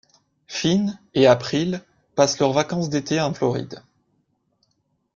Fin et April passent leurs vacances d'été en Floride.